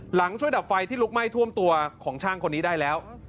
ช่วยดับไฟที่ลุกไหม้ท่วมตัวของช่างคนนี้ได้แล้ว